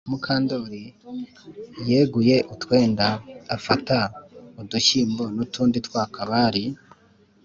mukandori yeguye utwenda, afata udushyimbo n'utundi twaka bari